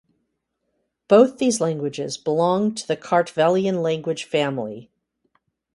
Both these languages belong to the Kartvelian language family.